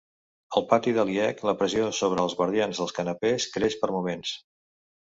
Al pati de l'IEC la pressió sobre els guardians dels canapès creix per moments.